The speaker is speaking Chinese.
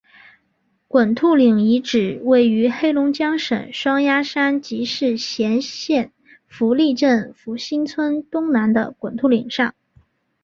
滚兔岭遗址位于黑龙江省双鸭山市集贤县福利镇福兴村东南的滚兔岭上。